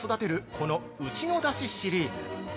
この「うちのだし」シリーズ。